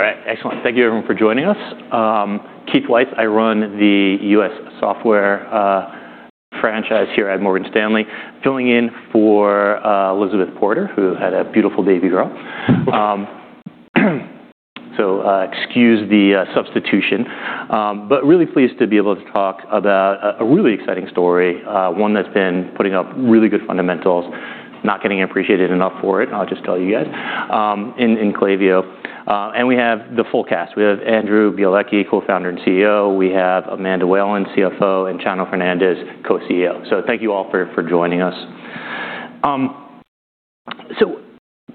All right, excellent. Thank you everyone for joining us. Keith Weiss, I run the US software franchise here at Morgan Stanley, filling in for Elizabeth Porter, who had a beautiful baby girl. Excuse the substitution. Really pleased to be able to talk about a really exciting story, one that's been putting up really good fundamentals, not getting appreciated enough for it, I'll just tell you guys, in Klaviyo. We have the full cast. We have Andrew Bialecki, Co-founder and CEO. We have Amanda Whalen, CFO, and Chano Fernandez, Co-CEO. Thank you all for joining us.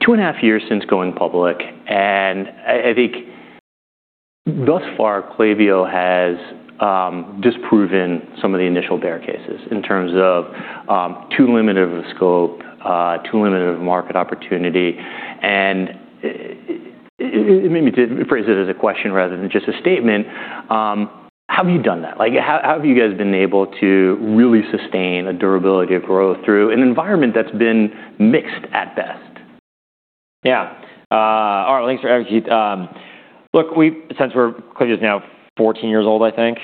Two and a half years since going public, I think thus far, Klaviyo has disproven some of the initial bear cases in terms of too limited of a scope, too limited of a market opportunity. maybe to phrase it as a question rather than just a statement, how have you done that? Like, how have you guys been able to really sustain a durability of growth through an environment that's been mixed at best? Yeah. All right. Thanks for asking. Look, since we're Klaviyo's now 14 years old, I think.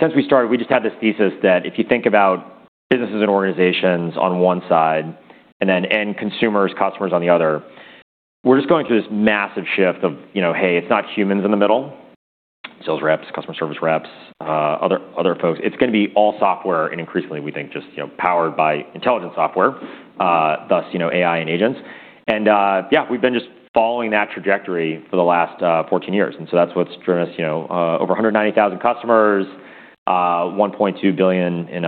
Since we started, we just had this thesis that if you think about businesses and organizations on one side and then end consumers, customers on the other, we're just going through this massive shift of, you know, hey, it's not humans in the middle, sales reps, customer service reps, other folks. It's gonna be all software, and increasingly, we think just, you know, powered by intelligent software, thus, you know, AI and agents. Yeah, we've been just following that trajectory for the last 14 years. So that's what's driven us, you know, over 190,000 customers, $1.2 billion in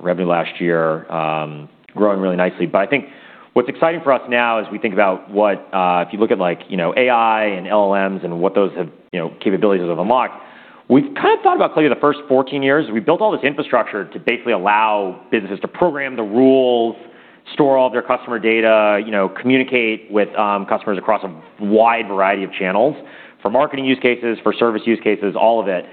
revenue last year, growing really nicely. I think what's exciting for us now is we think about what, if you look at like, you know, AI and LLMs and what those have, you know, capabilities have unlocked. We've kinda thought about Klaviyo the first 14 years, we built all this infrastructure to basically allow businesses to program the rules, store all their customer data, you know, communicate with customers across a wide variety of channels for marketing use cases, for service use cases, all of it.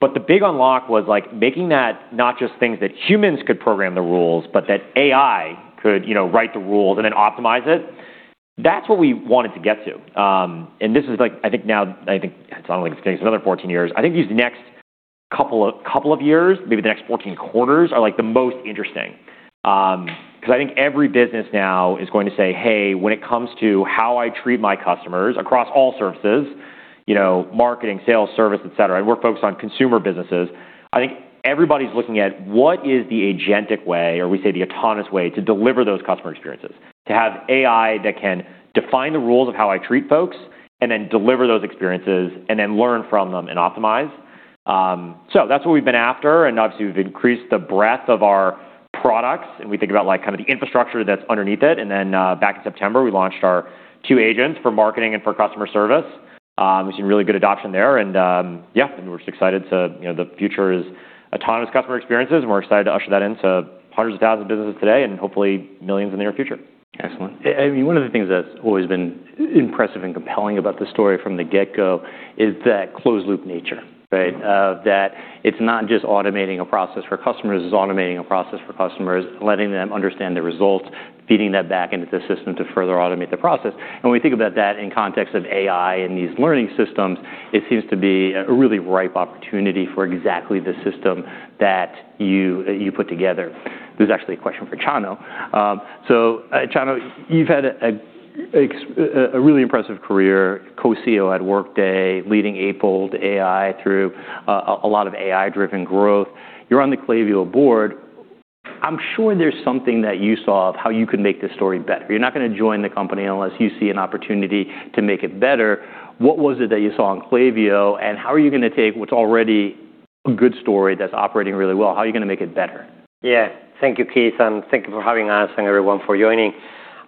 The big unlock was, like, making that not just things that humans could program the rules, but that AI could, you know, write the rules and then optimize it. That's what we wanted to get to. This is like, I think now, I sound like it's gonna take us another 14 years. I think these next couple of years, maybe the next 14 quarters are, like, the most interesting. 'Cause I think every business now is going to say, "Hey, when it comes to how I treat my customers across all services, you know, marketing, sales, service, et cetera," we're focused on consumer businesses. I think everybody's looking at what is the agentic way, or we say the autonomous way, to deliver those customer experiences. To have AI that can define the rules of how I treat folks and then deliver those experiences and then learn from them and optimize. That's what we've been after, obviously, we've increased the breadth of our products, and we think about, like, kinda the infrastructure that's underneath it. Back in September, we launched our two agents for marketing and for customer service. We've seen really good adoption there. Yeah, we're just excited to, you know, the future is autonomous customer experiences. We're excited to usher that into hundreds of thousands of businesses today and hopefully millions in the near future. Excellent. One of the things that's always been impressive and compelling about this story from the get-go is that closed loop nature, right? It's not just automating a process for customers. It's automating a process for customers, letting them understand the results, feeding that back into the system to further automate the process. When we think about that in context of AI and these learning systems, it seems to be a really ripe opportunity for exactly the system that you put together. This is actually a question for Chano. Chano, you've had a really impressive career, Co-CEO at Workday, leading Applied AI through a lot of AI-driven growth. You're on the Klaviyo board. I'm sure there's something that you saw of how you can make this story better. You're not gonna join the company unless you see an opportunity to make it better. What was it that you saw in Klaviyo? How are you gonna take what's already a good story that's operating really well, how are you gonna make it better? Yeah. Thank you, Keith, and thank you for having us and everyone for joining.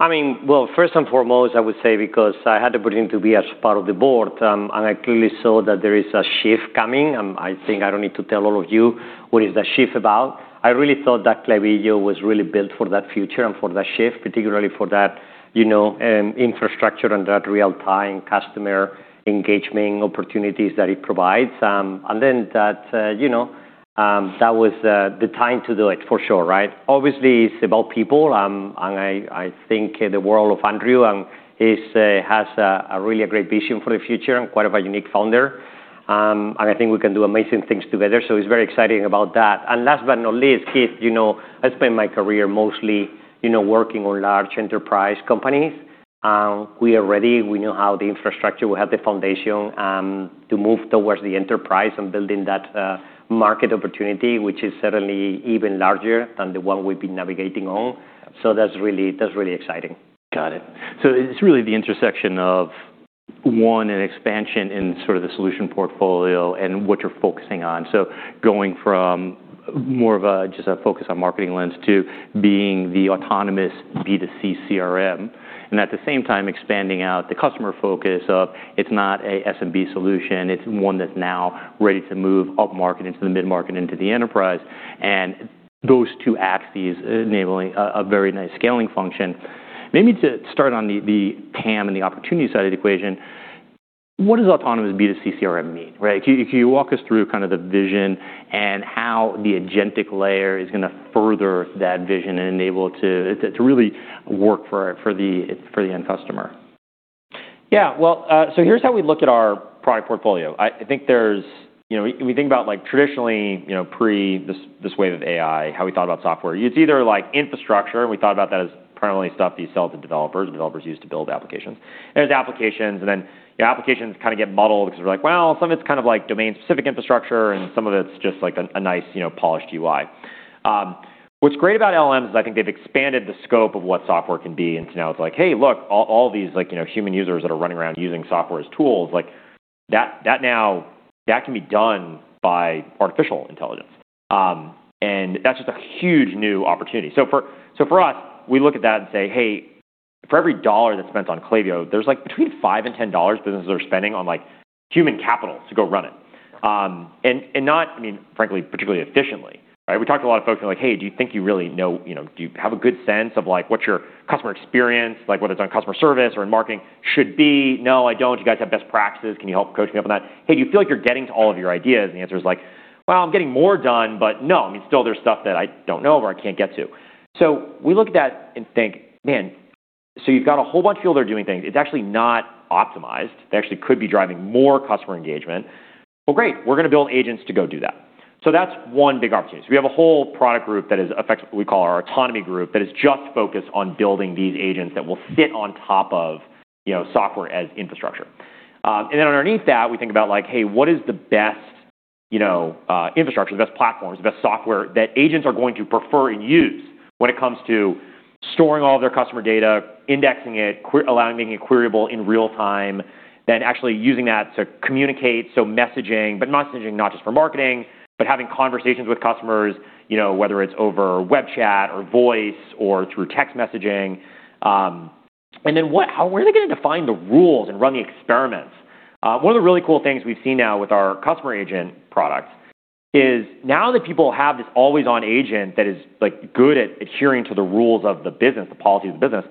I mean, well, first and foremost, I would say because I had the privilege to be as part of the board, and I clearly saw that there is a shift coming. I think I don't need to tell all of you what is that shift about. I really thought that Klaviyo was really built for that future and for that shift, particularly for that, you know, infrastructure and that real-time customer engagement opportunities that it provides. Then that, you know, that was the time to do it for sure, right? Obviously, it's about people, and I think the world of Andrew and his has a really great vision for the future and quite of a unique founder. I think we can do amazing things together, so he's very exciting about that. Last but not least, Keith, you know, I spent my career mostly, you know, working on large enterprise companies. We are ready. We know how the infrastructure will have the foundation to move towards the enterprise and building that market opportunity, which is certainly even larger than the one we've been navigating on. That's really exciting. Got it. It's really the intersection of, one, an expansion in sort of the solution portfolio and what you're focusing on. Going from more of a just a focus on marketing lens to being the autonomous B2C CRM and at the same time expanding out the customer focus of it's not a SMB solution, it's one that's now ready to move upmarket into the mid-market into the enterprise. Those two axes enabling a very nice scaling function. To start on the TAM and the opportunity side of the equation. What does autonomous B2C CRM mean, right? Can you, can you walk us through kind of the vision and how the agentic layer is gonna further that vision and enable it to, to really work for the, for the end customer? Well, here's how we look at our product portfolio. I think there's, you know, we think about, like, traditionally, you know, pre this wave of AI, how we thought about software. It's either like infrastructure, and we thought about that as primarily stuff that you sell to developers and developers use to build applications. There's applications, and then your applications kinda get muddled because we're like, well, some of it's kind of like domain-specific infrastructure, and some of it's just like a nice, you know, polished UI. What's great about LLMs is I think they've expanded the scope of what software can be into now it's like, hey, look, all these like, you know, human users that are running around using software as tools, like that now, that can be done by artificial intelligence. That's just a huge new opportunity. For us, we look at that and say, "Hey, for every dollar that's spent on Klaviyo, there's like between $5-$10 businesses are spending on like human capital to go run it." Not, I mean, frankly, particularly efficiently, right? We talked to a lot of folks who are like, "Hey, do you think you really know, you know, do you have a good sense of like what your customer experience, like whether it's on customer service or in marketing should be?" "No, I don't. Do you guys have best practices? Can you help coach me up on that?" "Hey, do you feel like you're getting to all of your ideas?" The answer is like, "Well, I'm getting more done, but no. I mean, still there's stuff that I don't know or I can't get to. We look at that and think, man, you've got a whole bunch of people that are doing things. It's actually not optimized. They actually could be driving more customer engagement. Well, great. We're gonna build agents to go do that. That's one big opportunity. We have a whole product group that is we call our autonomy group that is just focused on building these agents that will sit on top of, you know, software as infrastructure. Underneath that, we think about, like, hey, what is the best, you know, infrastructure, the best platforms, the best software that agents are going to prefer and use when it comes to storing all of their customer data, indexing it, allowing, making it queryable in real time, then actually using that to communicate, so messaging, but not messaging, not just for marketing, but having conversations with customers, you know, whether it's over web chat or voice or through text messaging. What, how were they gonna define the rules and run the experiments? One of the really cool things we've seen now with our Customer Agent products is now that people have this always-on agent that is, like, good at adhering to the rules of the business, the policy of the business,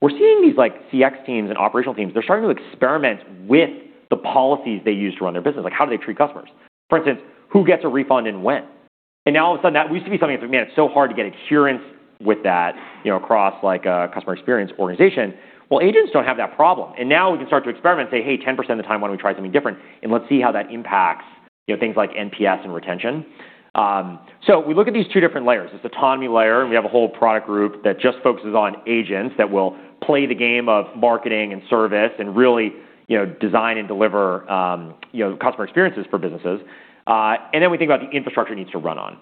we're seeing these, like, CX teams and operational teams, they're starting to experiment with the policies they use to run their business. Like, how do they treat customers? For instance, who gets a refund and when? Now all of a sudden that used to be something that's like, man, it's so hard to get adherence with that, you know, across like a customer experience organization. Well, agents don't have that problem. Now we can start to experiment and say, "Hey, 10% of the time, why don't we try something different, and let's see how that impacts, you know, things like NPS and retention." We look at these two different layers. This autonomy layer, we have a whole product group that just focuses on agents that will play the game of marketing and service and really, you know, design and deliver, you know, customer experiences for businesses. Then we think about the infrastructure it needs to run on.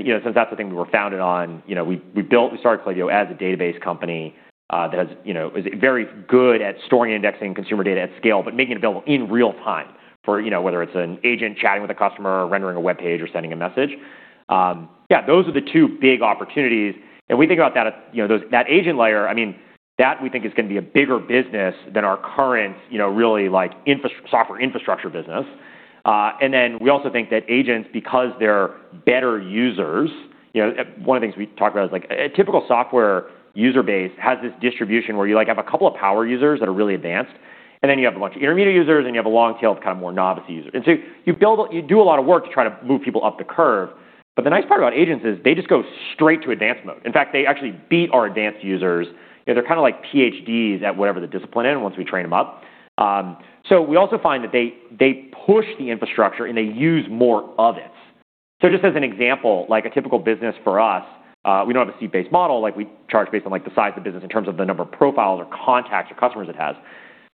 You know, since that's the thing we were founded on, you know, we built, we started Klaviyo as a database company that has, you know, is very good at storing, indexing consumer data at scale, but making it available in real time for, you know, whether it's an agent chatting with a customer or rendering a webpage or sending a message. Yeah, those are the two big opportunities. We think about that, you know, those, that agent layer, I mean, that we think is gonna be a bigger business than our current, you know, really like software infrastructure business. We also think that agents, because they're better users, you know, one of the things we talk about is like a typical software user base has this distribution where you like have a couple of power users that are really advanced, and then you have a bunch of intermediate users, and you have a long tail of kind of more novice users. You build, you do a lot of work to try to move people up the curve. The nice part about agents is they just go straight to advanced mode. In fact, they actually beat our advanced users. You know, they're kinda like PhDs at whatever the discipline in once we train them up. We also find that they push the infrastructure, and they use more of it. Just as an example, like a typical business for us, we don't have a seat-based model. Like, we charge based on like the size of the business in terms of the number of profiles or contacts or customers it has.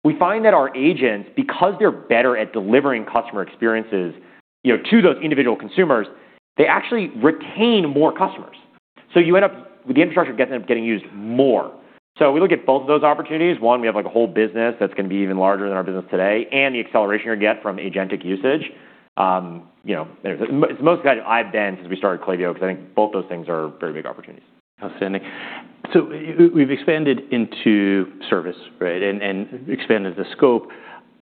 We find that our agents, because they're better at delivering customer experiences, you know, to those individual consumers, they actually retain more customers. You end up with the infrastructure ends up getting used more. We look at both of those opportunities. One, we have like a whole business that's gonna be even larger than our business today, and the acceleration you get from agentic usage. You know, it's the most excited I've been since we started Klaviyo because I think both those things are very big opportunities. We've expanded into service, right? Expanded the scope.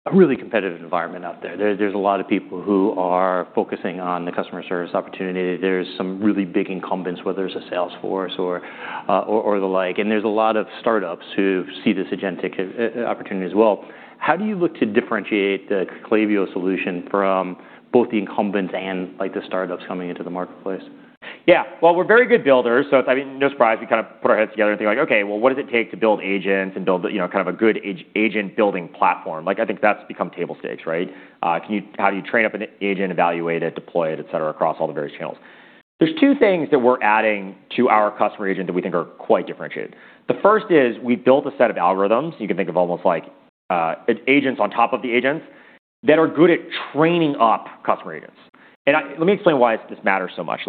A really competitive environment out there. There's a lot of people who are focusing on the customer service opportunity. There's some really big incumbents, whether it's a Salesforce or the like, and there's a lot of startups who see this agentic opportunity as well. How do you look to differentiate the Klaviyo solution from both the incumbents and like the startups coming into the marketplace? Well, we're very good builders, so it's, I mean, no surprise we kind of put our heads together and think like, okay, well, what does it take to build agents and build, you know, kind of a good agent-building platform? I think that's become table stakes, right? How do you train up an agent, evaluate it, deploy it, et cetera, across all the various channels? There's two things that we're adding to our Customer Agent that we think are quite differentiated. The first is we built a set of algorithms, you can think of almost like agents on top of the agents that are good at training up Customer Agents. Let me explain why this matters so much.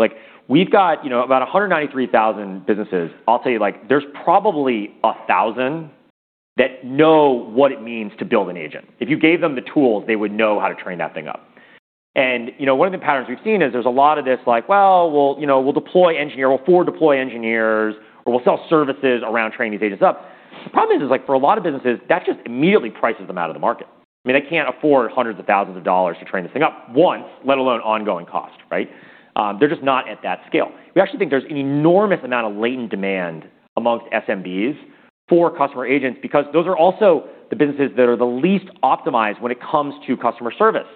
We've got, you know, about 193,000 businesses. I'll tell you, like, there's probably a 1,000 that know what it means to build an agent. If you gave them the tools, they would know how to train that thing up. You know, one of the patterns we've seen is there's a lot of this like, well, we'll deploy engineers, or we'll sell services around training these agents up. The problem is, like for a lot of businesses, that just immediately prices them out of the market. I mean, they can't afford hundreds of thousands of dollars to train this thing up once, let alone ongoing cost, right? They're just not at that scale. We actually think there's an enormous amount of latent demand amongst SMBs for Customer Agents because those are also the businesses that are the least optimized when it comes to customer service?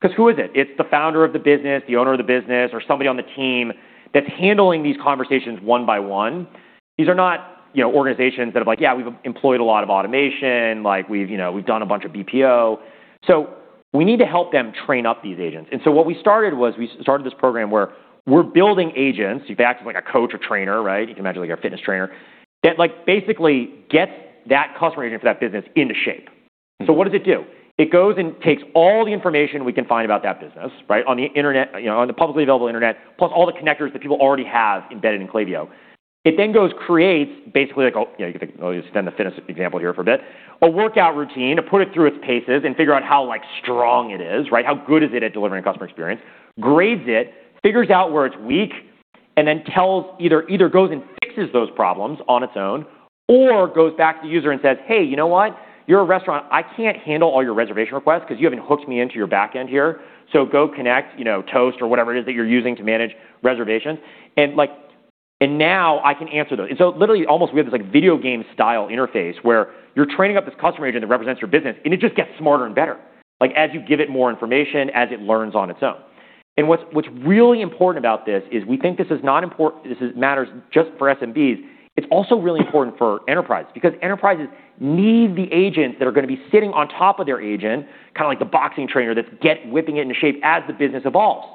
'Cause who is it? It's the founder of the business, the owner of the business, or somebody on the team that's handling these conversations one by one. These are not, you know, organizations that are like, "Yeah, we've employed a lot of automation. We've, you know, we've done a bunch of BPO." We need to help them train up these agents. What we started was we started this program where we're building agents. You can act as like a coach or trainer, right? You can imagine like your fitness trainer that like basically gets that Customer Agent for that business into shape. What does it do? It goes and takes all the information we can find about that business, right, on the internet, you know, on the publicly available internet, plus all the connectors that people already have embedded in Klaviyo. It goes, creates basically like a, you know, you could think, I'll just extend the fitness example here for a bit. A workout routine to put it through its paces and figure out how, like, strong it is, right? How good is it at delivering customer experience? Grades it, figures out where it's weak, and then tells either goes and fixes those problems on its own or goes back to the user and says, "Hey, you know what? You're a restaurant. I can't handle all your reservation requests 'cause you haven't hooked me into your back end here. Go connect, you know, Toast or whatever it is that you're using to manage reservations." Like, now I can answer those. Literally almost we have this like video game style interface where you're training up this Customer Agent that represents your business, and it just gets smarter and better. Like, as you give it more information, as it learns on its own. What's really important about this is we think this is not this matters just for SMBs. It's also really important for enterprise because enterprises need the agents that are gonna be sitting on top of their agent, kind of like the boxing trainer that's whipping it into shape as the business evolves,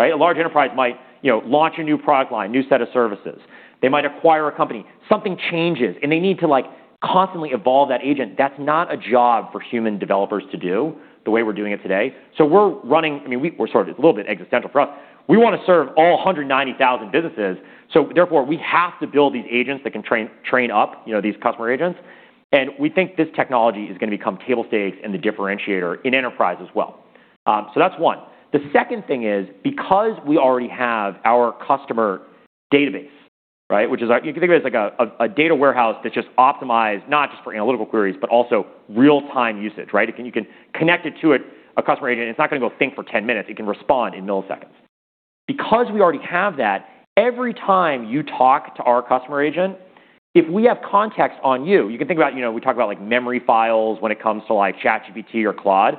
right? A large enterprise might, you know, launch a new product line, new set of services. They might acquire a company. Something changes, and they need to, like, constantly evolve that agent. That's not a job for human developers to do the way we're doing it today. I mean, we're sort of a little bit existential for us. We wanna serve all 190,000 businesses, so therefore we have to build these agents that can train up, you know, these Customer Agents. We think this technology is gonna become table stakes and the differentiator in enterprise as well. That's one. The second thing is because we already have our customer database, right? You can think of it as like a data warehouse that's just optimized not just for analytical queries, but also real-time usage, right? You can connect it to a Customer Agent, and it's not gonna go think for 10 minutes. It can respond in milliseconds. We already have that, every time you talk to our Customer Agent, if we have context on you can think about, you know, we talk about, like, memory files when it comes to, like, ChatGPT or Claude.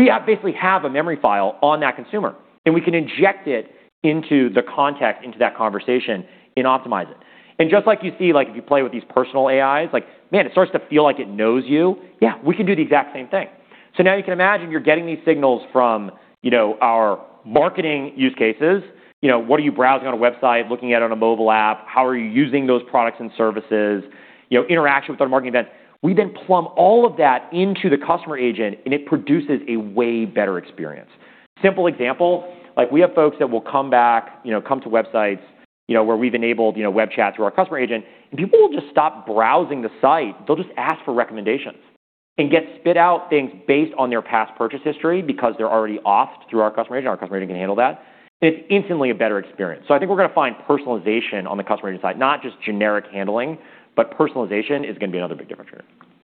We basically have a memory file on that consumer, and we can inject it into the context, into that conversation and optimize it. Just like you see, like, if you play with these personal AIs, like, man, it starts to feel like it knows you. Yeah, we can do the exact same thing. Now you can imagine you're getting these signals from, you know, our marketing use cases. You know, what are you browsing on a website, looking at on a mobile app? How are you using those products and services? You know, interaction with our marketing events. We then plumb all of that into the Customer Agent, and it produces a way better experience. Simple example, like, we have folks that will come back, you know, come to websites, you know, where we've enabled, you know, web chat through our Customer Agent, and people will just stop browsing the site. They'll just ask for recommendations and get spit out things based on their past purchase history because they're already authed through our Customer Agent. Our Customer Agent can handle that, and it's instantly a better experience. I think we're gonna find personalization on the Customer Agent side, not just generic handling, but personalization is gonna be another big differentiator.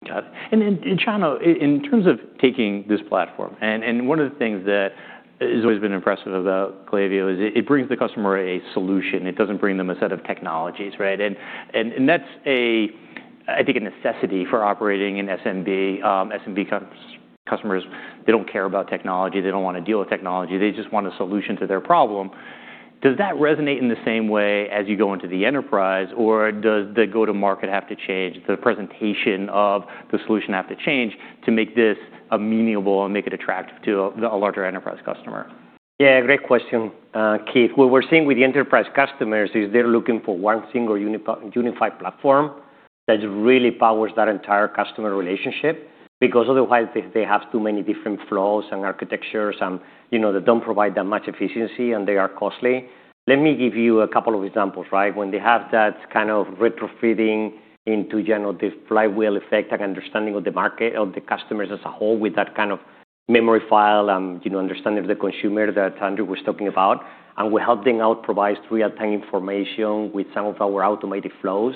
Got it. Chano, in terms of taking this platform, one of the things that has always been impressive about Klaviyo is it brings the customer a solution. It doesn't bring them a set of technologies, right? That's a, I think, a necessity for operating an SMB. SMB customers, they don't care about technology. They don't wanna deal with technology. They just want a solution to their problem. Does that resonate in the same way as you go into the enterprise, or does the go-to-market have to change, the presentation of the solution have to change to make this amenable and make it attractive to a larger enterprise customer? Yeah, great question, Keith. What we're seeing with the enterprise customers is they're looking for one single unified platform that really powers that entire customer relationship. Otherwise they have too many different flows and architectures and, you know, that don't provide that much efficiency, and they are costly. Let me give you a couple of examples, right? When they have that kind of retrofitting into general, the flywheel effect and understanding of the market, of the customers as a whole with that kind of memory file and, you know, understanding of the consumer that Andrew was talking about, and we're helping out provide real-time information with some of our automated flows.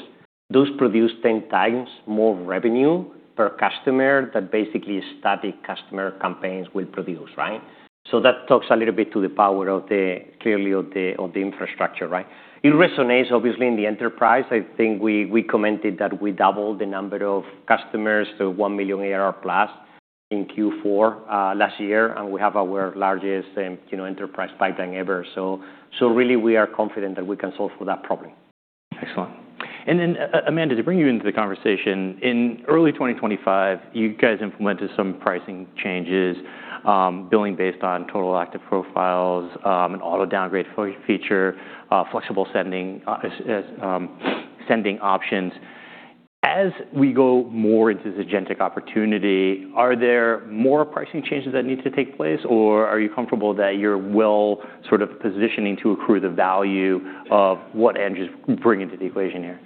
Those produce 10 times more revenue per customer that basically static customer campaigns will produce, right? That talks a little bit to the power clearly of the infrastructure, right? It resonates obviously in the enterprise. I think we commented that we doubled the number of customers to $1 million ARR+ in Q4 last year. We have our largest, you know, enterprise pipeline ever. Really we are confident that we can solve for that problem. Excellent. Then, Amanda, to bring you into the conversation, in early 2025, you guys implemented some pricing changes, billing based on total active profiles, an auto-downgrade feature, flexible sending options. As we go more into this agentic opportunity, are there more pricing changes that need to take place, or are you comfortable that you're well sort of positioning to accrue the value of what Andrew's bringing to the equation here?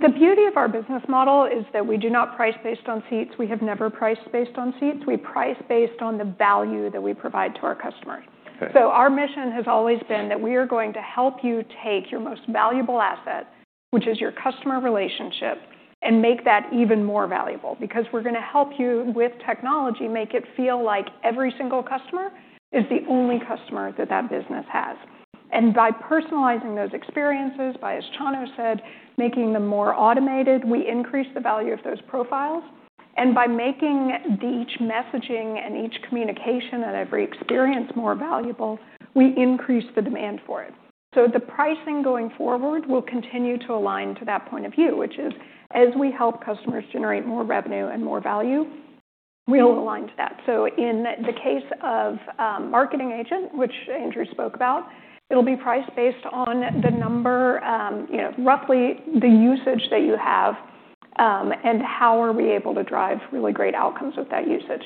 The beauty of our business model is that we do not price based on seats. We have never priced based on seats. We price based on the value that we provide to our customers. Okay. Our mission has always been that we are going to help you take your most valuable asset, which is your customer relationship, and make that even more valuable because we're gonna help you with technology make it feel like every single customer is the only customer that that business has. By personalizing those experiences, by, as Chano said, making them more automated, we increase the value of those profiles. By making each messaging and each communication and every experience more valuable, we increase the demand for it. The pricing going forward will continue to align to that point of view, which is as we help customers generate more revenue and more value, we'll align to that. In the case of Marketing Agent, which Andrew spoke about, it'll be priced based on the number, you know, roughly the usage that you have, and how are we able to drive really great outcomes with that usage.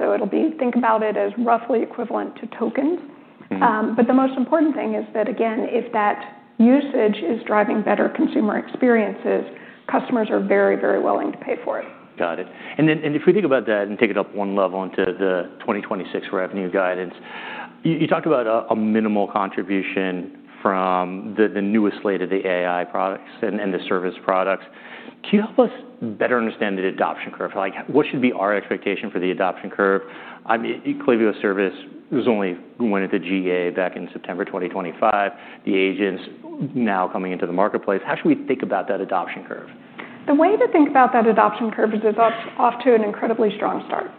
It'll be, think about it as roughly equivalent to tokens. Mm-hmm. The most important thing is that, again, if that usage is driving better consumer experiences, customers are very, very willing to pay for it. Got it. If we think about that and take it up one level into the 2026 revenue guidance, you talked about a minimal contribution from the newest slate of the AI products and the service products. Can you help us better understand the adoption curve? Like, what should be our expectation for the adoption curve? I mean, Klaviyo service was only went into GA back in September 2025. The agents now coming into the marketplace. How should we think about that adoption curve? The way to think about that adoption curve is it's off to an incredibly strong start.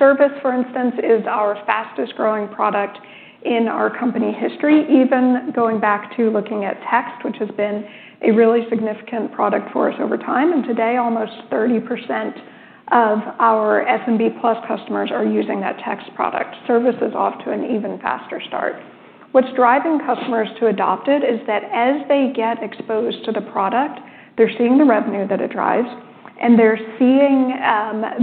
Service, for instance, is our fastest-growing product in our company history, even going back to looking at Text, which has been a really significant product for us over time. Today, almost 30% of our SMB plus customers are using that Text product. Service is off to an even faster start. What's driving customers to adopt it is that as they get exposed to the product, they're seeing the revenue that it drives, and they're seeing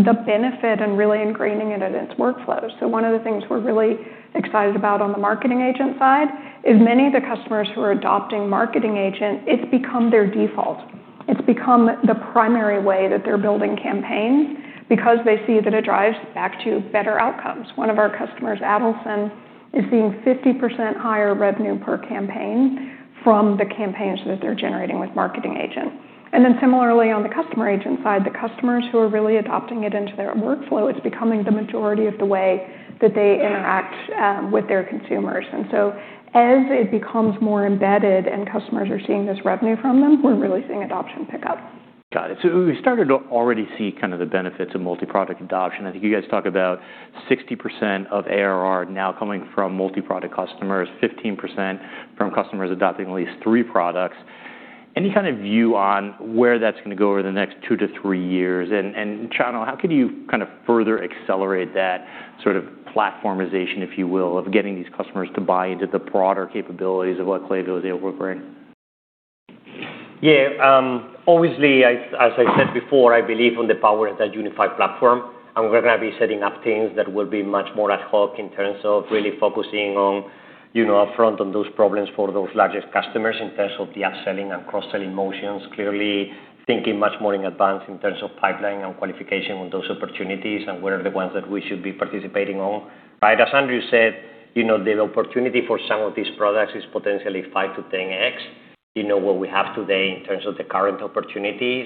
the benefit and really ingraining it in its workflows. One of the things we're really excited about on the Marketing Agent side is many of the customers who are adopting Marketing Agent, it's become their default. It's become the primary way that they're building campaigns because they see that it drives back to better outcomes. One of our customers, Adelson, is seeing 50% higher revenue per campaign from the campaigns that they're generating with Marketing Agent. Similarly, on the Customer Agent side, the customers who are really adopting it into their workflow, it's becoming the majority of the way that they interact with their consumers. As it becomes more embedded and customers are seeing this revenue from them, we're really seeing adoption pick up. Got it. We started to already see kind of the benefits of multi-product adoption. I think you guys talk about 60% of ARR now coming from multi-product customers, 15% from customers adopting at least three products. Any kind of view on where that's gonna go over the next two to three years? Chano, how can you kind of further accelerate that sort of platformization, if you will, of getting these customers to buy into the broader capabilities of what Klaviyo is able to bring? Obviously, as I said before, I believe on the power of that unified platform, and we're gonna be setting up things that will be much more ad hoc in terms of really focusing on, you know, upfront on those problems for those largest customers in terms of the upselling and cross-selling motions. Clearly thinking much more in advance in terms of pipeline and qualification on those opportunities and where are the ones that we should be participating on, right? As Andrew said, you know, the opportunity for some of these products is potentially 5x-10x, you know, what we have today in terms of the current opportunity.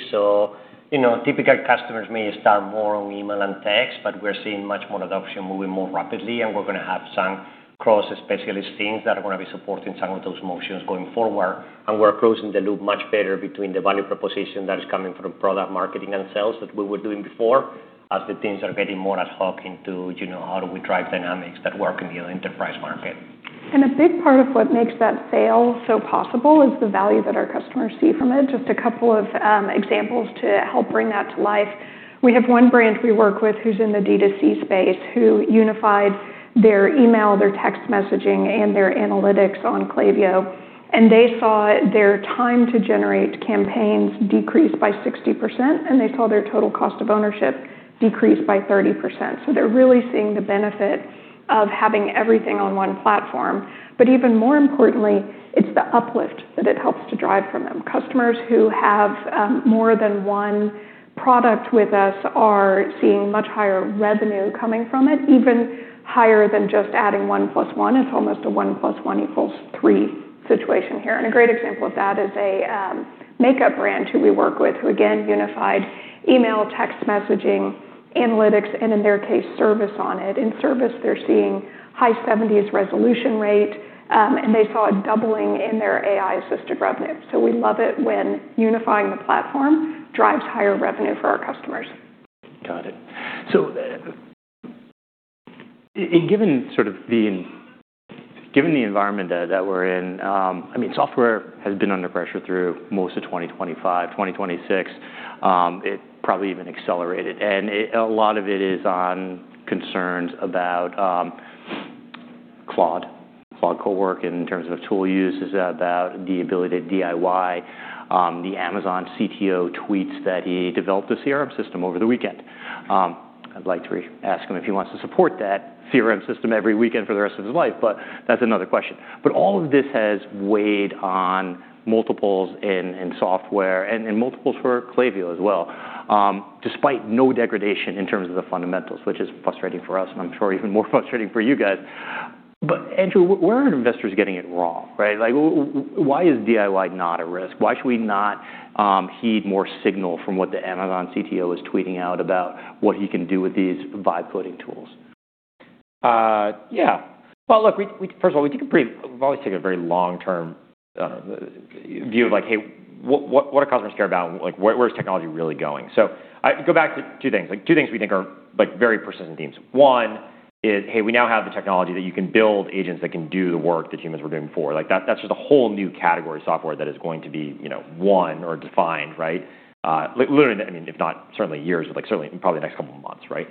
You know, typical customers may start more on email and text, but we're seeing much more adoption moving more rapidly, and we're gonna have some cross-specialist teams that are gonna be supporting some of those motions going forward. We're closing the loop much better between the value proposition that is coming from product marketing and sales that we were doing before as the teams are getting more ad hoc into, you know, how do we drive dynamics that work in the enterprise market. A big part of what makes that sale so possible is the value that our customers see from it. Just a couple of examples to help bring that to life. We have one brand we work with who's in the D2C space, who unified their email, their text messaging, and their analytics on Klaviyo, and they saw their time to generate campaigns decrease by 60%, and they saw their total cost of ownership decrease by 30%. They're really seeing the benefit of having everything on one platform. Even more importantly, it's the uplift that it helps to drive from them. Customers who have more than one product with us are seeing much higher revenue coming from it, even higher than just adding one plus one. It's almost a one plus one equals three situation here. A great example of that is a makeup brand who we work with, who again, unified email, text messaging, analytics, and in their case, service on it. In service, they're seeing high seventies resolution rate, and they saw a doubling in their AI-assisted revenue. We love it when unifying the platform drives higher revenue for our customers. Got it. Given sort of the environment that we're in, I mean, software has been under pressure through most of 2025. 2026, it probably even accelerated. And a lot of it is on concerns about Claude, tool use in terms of tool use. Is that about the ability to DIY? The Amazon CTO tweets that he developed a CRM system over the weekend. I'd like to ask him if he wants to support that CRM system every weekend for the rest of his life, but that's another question. All of this has weighed on multiples in software and multiples for Klaviyo as well, despite no degradation in terms of the fundamentals, which is frustrating for us, and I'm sure even more frustrating for you guys. Andrew, where are investors getting it wrong, right? Like, why is DIY not a risk? Why should we not heed more signal from what the Amazon CTO is tweeting out about what he can do with these vibe coding tools? Yeah. Well, look, we've always taken a very long-term view of like, "Hey, what, what do customers care about? Like, where is technology really going?" I go back to two things. Like, two things we think are, like, very persistent themes. One is, hey, we now have the technology that you can build agents that can do the work that humans were doing before. Like, that's just a whole new category of software that is going to be, you know, won or defined, right? Literally, I mean, if not certainly years, but like, certainly in probably the next couple of months, right?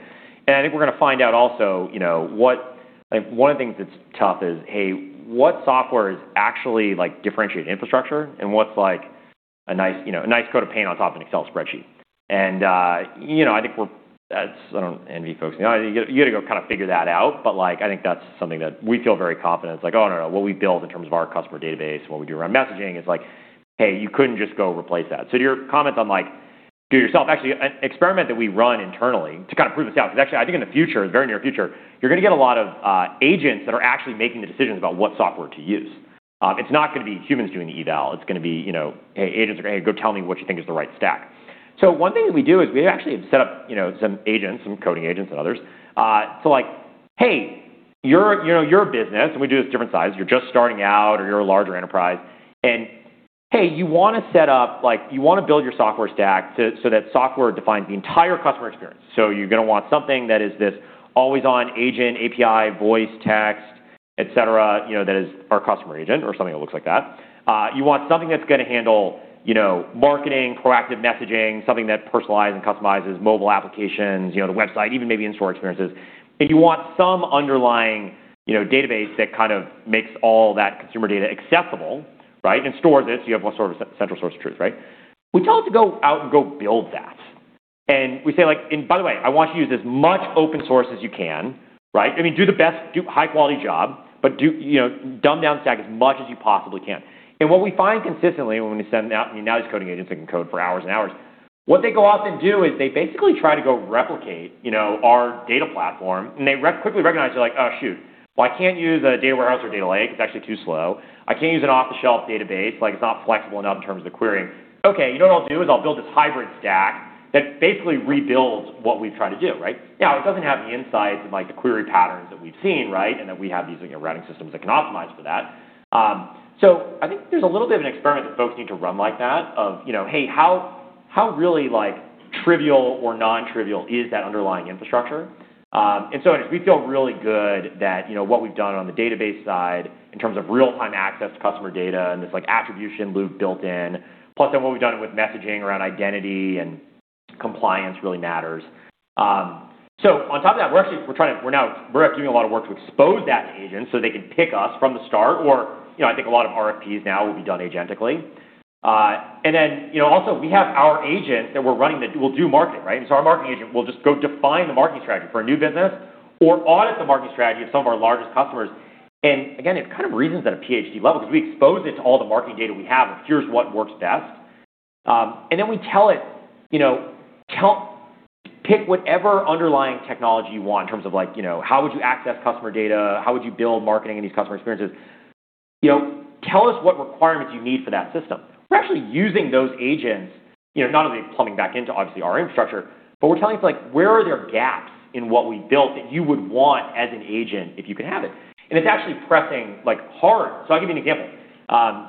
I think we're gonna find out also, you know, what? One of the things that's tough is, hey, what software is actually, like, differentiated infrastructure and what's like a nice, you know, a nice coat of paint on top of an Excel spreadsheet. You know, I think that's I don't envy folks. You know, you gotta go kind of figure that out. Like, I think that's something that we feel very confident. It's like, oh, no, what we build in terms of our customer database, what we do around messaging is like, hey, you couldn't just go replace that. To your comment on, like, do it yourself, actually, an experiment that we run internally to kind of prove this out, 'cause actually I think in the future, very near future, you're gonna get a lot of agents that are actually making the decisions about what software to use. It's not gonna be humans doing the eval. It's gonna be, you know, hey, agents are, hey, go tell me what you think is the right stack. One thing that we do is we actually have set up, you know, some agents, some coding agents and others, to like, hey, you're, you know, you're a business, and we do this different size. You're just starting out or you're a larger enterprise, and hey, you wanna set up, like, you wanna build your software stack so that software defines the entire customer experience. You're gonna want something that is this always-on agent, API, voice, text, et cetera, you know, that is our Customer Agent or something that looks like that. You want something that's gonna handle, you know, marketing, proactive messaging, something that personalizes and customizes mobile applications, you know, the website, even maybe in-store experiences. You want some underlying, you know, database that kind of makes all that consumer data accessible, right, and stores it, so you have one sort of central source of truth, right? We tell it to go out and go build that. We say like, "And by the way, I want you to use as much open source as you can," right? I mean, do the best, do high quality job, but do, you know, dumb down stack as much as you possibly can. What we find consistently when we send out, I mean, now these coding agents that can code for hours and hours, what they go off and do is they basically try to go replicate, you know, our data platform, and they quickly recognize, they're like, "Oh, shoot. Well, I can't use a data warehouse or data lake. It's actually too slow. I can't use an off-the-shelf database. Like, it's not flexible enough in terms of the querying. You know what I'll do is I'll build this hybrid stack that basically rebuilds what we've tried to do," right? It doesn't have the insights and, like, the query patterns that we've seen, right? That we have these, you know, routing systems that can optimize for that. I think there's a little bit of an experiment that folks need to run like that of, you know, hey, how really, like, trivial or non-trivial is that underlying infrastructure? We feel really good that, you know, what we've done on the database side in terms of real-time access to customer data, and this, like, attribution loop built in. Plus then what we've done with messaging around identity and compliance really matters. On top of that, we're actually doing a lot of work to expose that to agents so they can pick us from the start or, you know, I think a lot of RFPs now will be done agentically. Also we have our agent that we're running that will do marketing, right? Our Marketing Agent will just go define the marketing strategy for a new business or audit the marketing strategy of some of our largest customers. Again, it kind of reasons at a PhD level 'cause we expose it to all the marketing data we have of here's what works best. Then we tell it, you know, pick whatever underlying technology you want in terms of like, you know, how would you access customer data? How would you build marketing and these customer experiences? You know, tell us what requirements you need for that system. We're actually using those agents, you know, not only plumbing back into obviously our infrastructure, but we're telling it like, where are there gaps in what we built that you would want as an agent if you could have it? It's actually pressing, like, hard. I'll give you an example.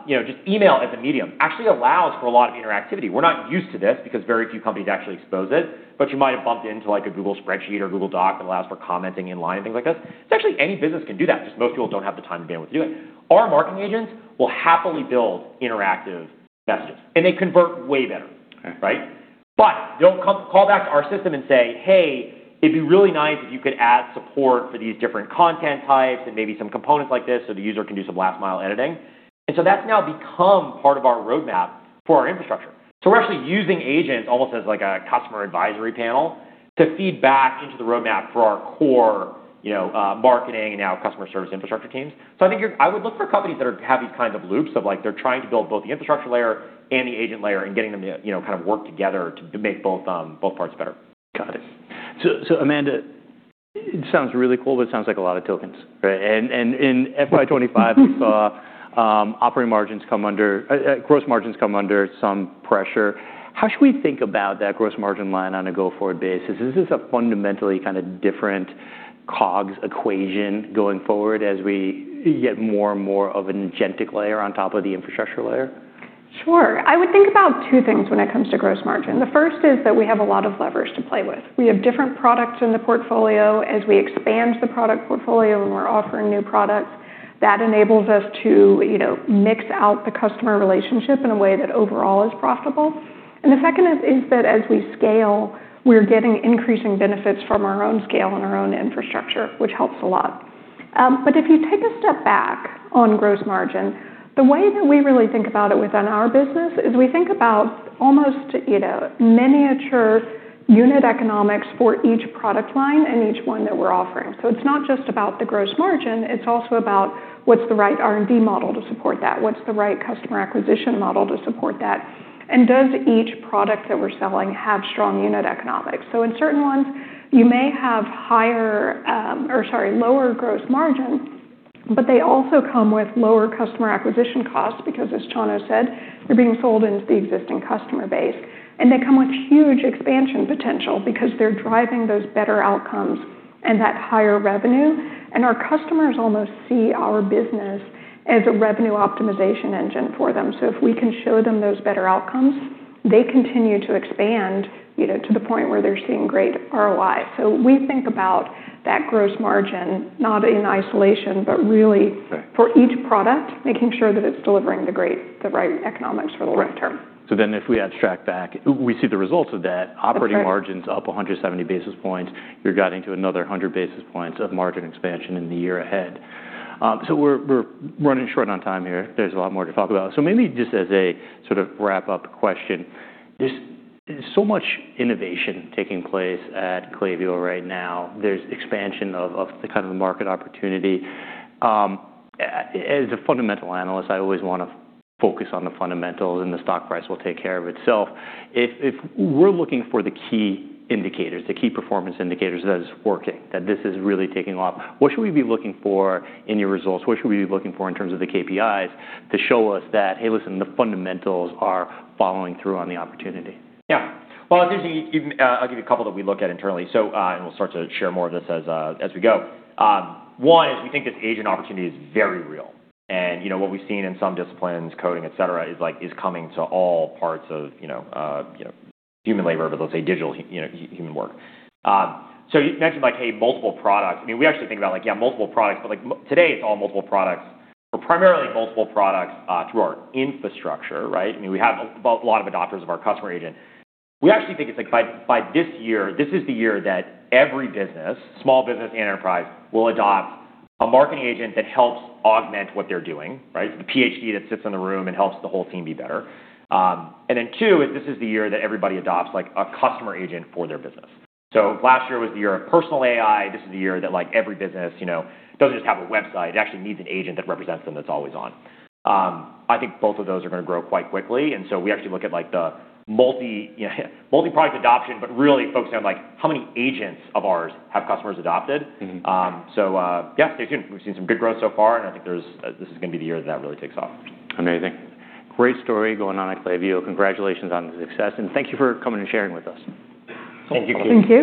You know, just email as a medium actually allows for a lot of interactivity. We're not used to this because very few companies actually expose it, but you might have bumped into like a Google spreadsheet or Google Docs that allows for commenting in line and things like this. It's actually any business can do that, just most people don't have the time to be able to do it. Our Marketing Agents will happily build interactive messages, and they convert way better. Okay. Right? They'll call back to our system and say, "Hey, it'd be really nice if you could add support for these different content types and maybe some components like this so the user can do some last mile editing." That's now become part of our roadmap for our infrastructure. We're actually using agents almost as like a customer advisory panel to feed back into the roadmap for our core, you know, marketing and now customer service infrastructure teams. I think I would look for companies that have these kind of loops of like, they're trying to build both the infrastructure layer and the agent layer and getting them to, you know, kind of work together to make both both parts better. Got it. Amanda, it sounds really cool, but it sounds like a lot of tokens, right? In FY 25 we saw gross margins come under some pressure. How should we think about that gross margin line on a go-forward basis? Is this a fundamentally kind of different COGS equation going forward as we get more and more of an agentic layer on top of the infrastructure layer? Sure. I would think about two things when it comes to gross margin. The first is that we have a lot of levers to play with. We have different products in the portfolio. As we expand the product portfolio and we're offering new products, that enables us to, you know, mix out the customer relationship in a way that overall is profitable. The second is that as we scale, we're getting increasing benefits from our own scale and our own infrastructure, which helps a lot. If you take a step back on gross margin, the way that we really think about it within our business is we think about almost, you know, miniature unit economics for each product line and each one that we're offering. It's not just about the gross margin, it's also about what's the right R&D model to support that? What's the right customer acquisition model to support that? Does each product that we're selling have strong unit economics? In certain ones, you may have higher, lower gross margins. They also come with lower customer acquisition costs because as Chano said, they're being sold into the existing customer base, and they come with huge expansion potential because they're driving those better outcomes and that higher revenue. Our customers almost see our business as a revenue optimization engine for them. If we can show them those better outcomes, they continue to expand, you know, to the point where they're seeing great ROI. We think about that gross margin not in isolation, but really. Right For each product, making sure that it's delivering the right economics for the long term. Right. If we abstract back, we see the results of that. That's right. Operating margins up 170 basis points. You're guiding to another 100 basis points of margin expansion in the year ahead. We're running short on time here. There's a lot more to talk about. Maybe just as a sort of wrap-up question, there's so much innovation taking place at Klaviyo right now. There's expansion of the kind of the market opportunity. As a fundamental analyst, I always wanna focus on the fundamentals, the stock price will take care of itself. If we're looking for the Key Performance Indicators that it's working, that this is really taking off, what should we be looking for in your results? What should we be looking for in terms of the KPIs to show us that, "hey, listen, the fundamentals are following through on the opportunity?" Yeah. Well, it's interesting you, I'll give you a couple that we look at internally. We'll start to share more of this as we go. One is we think this agent opportunity is very real. You know, what we've seen in some disciplines, coding, et cetera, is, like, is coming to all parts of, you know, human labor, but let's say digital human work. You mentioned like, hey, multiple products. I mean, we actually think about like, yeah, multiple products, but like today, it's all multiple products, but primarily multiple products through our infrastructure, right? I mean, we have a lot of adopters of our Customer Agent. We actually think it's like by this year, this is the year that every business, small business and enterprise, will adopt a Marketing Agent that helps augment what they're doing, right? The PhD that sits in the room and helps the whole team be better. Two is this is the year that everybody adopts like a Customer Agent for their business. Last year was the year of personal AI. This is the year that like every business, you know, doesn't just have a website, it actually needs an agent that represents them that's always on. I think both of those are gonna grow quite quickly, we actually look at like the multi, you know, multi-product adoption, but really focusing on like how many agents of ours have customers adopted. Mm-hmm. Yeah, stay tuned. We've seen some good growth so far, and I think there's this is gonna be the year that that really takes off. Amazing. Great story going on at Klaviyo. Congratulations on the success, and thank you for coming and sharing with us. Thank you. Thank you.